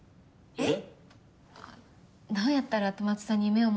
えっ？